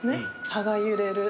葉が揺れる。